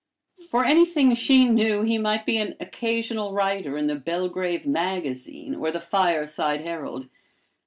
For anything she knew, he might be an occasional writer in "The Belgrave Magazine," or "The Fireside Herald."